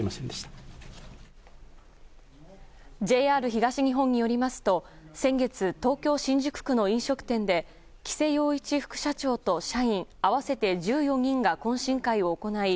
ＪＲ東日本によりますと先月、東京・新宿区の飲食店で喜勢陽一副社長と社員合わせて１４人が懇親会を行い